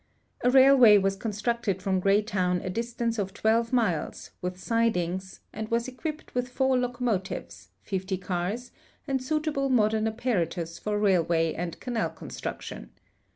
A railway was constructed from Greytown a distance of 12 miles, with sidings, and was equipped with four locomotives, tifty ears, and suitable modern apparatus for rail way and canal construction.